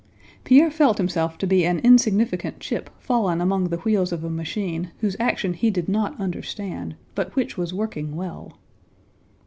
Pierre felt himself to be an insignificant chip fallen among the wheels of a machine whose action he did not understand but which was working well.